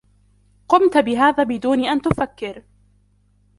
قمت بهذا بدون أن تفكر.